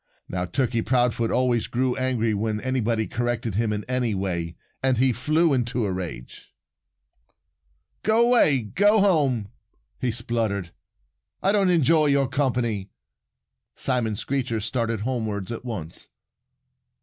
Now, Turkey Proudfoot always grew angry when anybody corrected him in any way. And he flew into a rage. "Go away! Go home!" he spluttered. "I don't enjoy your company." Simon Screecher started homewards at once.